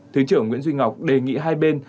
thứ trưởng nguyễn duy ngọc đề nghị hai bên